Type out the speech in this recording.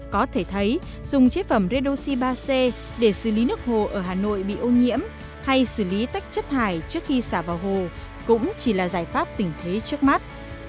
có thể thấy dùng chế phẩm redoxi ba c để xử lý nước hồ ở hà nội bị ô nhiễm hay xử lý tách chất thải trước khi xả vào hồ cũng chỉ là giải pháp tình thế trước mắt